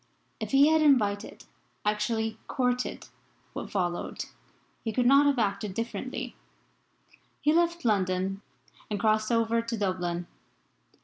If he had invited actually courted what followed he could not have acted differently. He left London and crossed over to Dublin.